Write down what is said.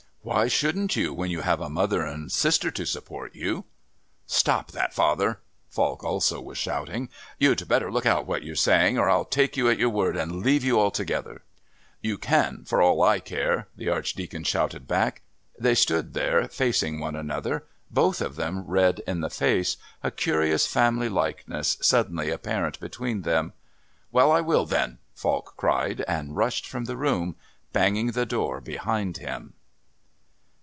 Why shouldn't you, when you have a mother and sister to support you?" "Stop that, father." Falk also was shouting. "You'd better look out what you're saying, or I'll take you at your word and leave you altogether." "You can, for all I care," the Archdeacon shouted back. They stood there facing one another, both of them red in the face, a curious family likeness suddenly apparent between them. "Well, I will then," Falk cried, and rushed from the room, banging the door behind him.